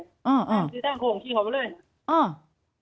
แต่งชุดสีตั้งโครงชีวิตของเขาไปเลย